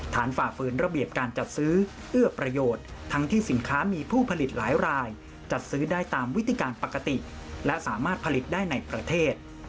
ฝ่าฝืนระเบียบการจัดซื้อเอื้อประโยชน์ทั้งที่สินค้ามีผู้ผลิตหลายรายจัดซื้อได้ตามวิธีการปกติและสามารถผลิตได้ในประเทศ